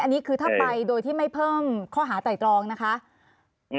อันนี้คือถ้าไปโดยที่ไม่เพิ่มข้อหาไตรตรองนะคะ